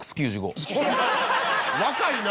若いな！